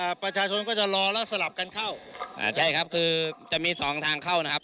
ประชาชนก็จะรอแล้วสลับกันเข้าอ่าใช่ครับคือจะมีสองทางเข้านะครับ